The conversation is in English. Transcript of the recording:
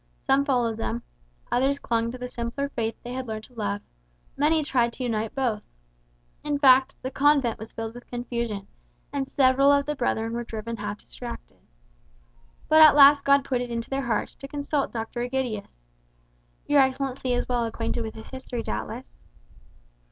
Some followed them, others clung to the simpler faith they had learned to love, many tried to unite both. In fact, the convent was filled with confusion, and several of the brethren were driven half distracted. But at last God put it into their hearts to consult Dr. Egidius. Your Excellency is well acquainted with his history, doubtless!"